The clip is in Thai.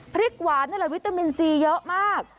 พริกหวานนั่นแหละวิตามินซีเยอะมาก